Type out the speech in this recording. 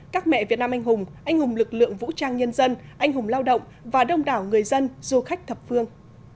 các mẹ việt nam anh hùng anh hùng lực lượng vũ trang nhân dân anh hùng lao động và đông đảo người dân du khách thập phương